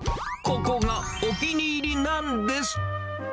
ここがお気に入りなんです。